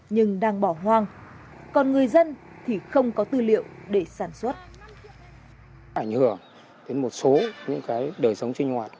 nhưng đang bỏ hoang còn người dân thì không có tư liệu để sản xuất